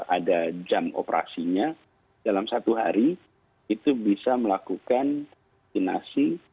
ada jam operasinya dalam satu hari itu bisa melakukan vaksinasi